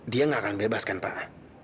dia nggak akan melepaskan pak